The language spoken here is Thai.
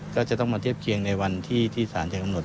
ก็จะต้องมาเทียบเคียงในวันที่สารจะกำหนด